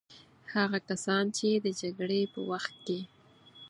هغه کسان چې د جګړې په وخت کې.